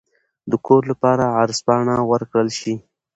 د کور لپاره عرض پاڼه ورکړل شي.